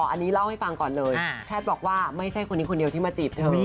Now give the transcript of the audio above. อันนี้เล่าให้ฟังก่อนเลยแพทย์บอกว่าไม่ใช่คนนี้คนเดียวที่มาจีบเธอ